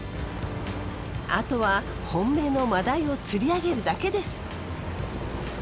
あとは本命のマダイを釣り上げるだけです。